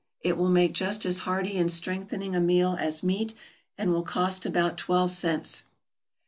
It will make just as hearty and strengthening a meal as meat, and will cost about twelve cents.